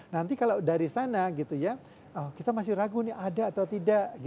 nanti kalau dari sana kita masih ragu ini ada atau tidak